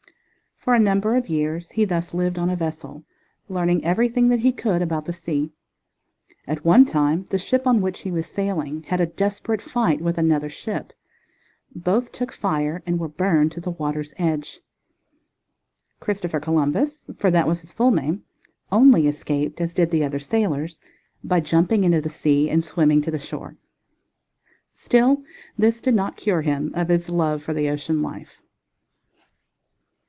For a number of years he thus lived on a vessel, learning everything that he could about the sea. At one time the ship on which he was sailing had a desperate fight with another ship; both took fire and were burned to the water's edge. Christopher Columbus, for that was his full name, only escaped, as did the other sailors, by jumping into the sea and swimming to the shore. Still this did not cure him of his love for the ocean life.